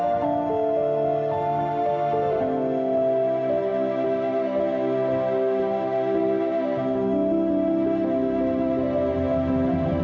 aku ingin menebus semua kesalahan yang pernah dilakukan ballard